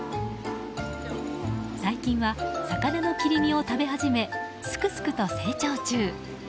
最近は、魚の切り身を食べ始めすくすくと成長中。